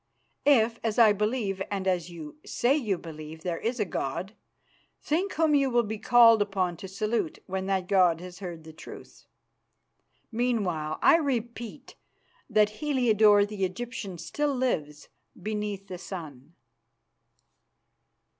If, as I believe and as you say you believe, there is a God, think whom you will be called upon to salute when that God has heard the truth. Meanwhile I repeat that Heliodore the Egyptian still lives beneath the sun."